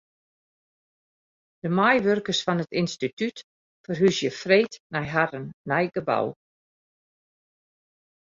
De meiwurkers fan it ynstitút ferhúzje freed nei harren nije gebou.